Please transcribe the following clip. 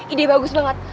ide bagus banget